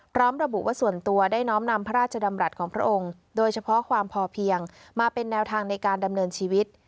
พร้อมระบุว่าส่วนตัวได้น้อมนำพระราชดำรัฐของพระองค์โดยเฉพาะความพอเพียงมาเป็นแนวทางในการดำเนินชีวิต